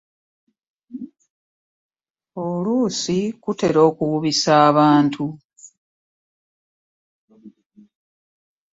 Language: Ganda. Oluusi kutera okuwubisa abantu.